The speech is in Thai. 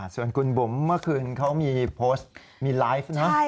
ส่วนคุณบุ๋มเมื่อคืนเขามีโพสต์มีไลฟ์นะ